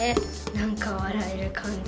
何か笑える感じ。